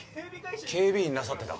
警備員なさってた？